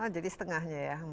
jadi setengahnya ya